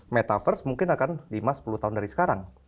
metaverse mungkin akan lima sepuluh tahun dari sekarang